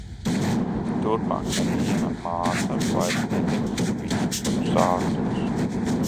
Turpmāk neviena māsa vairs nedegs viņu sārtos!